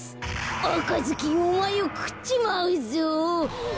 「あかずきんおまえをくっちまうぞ」。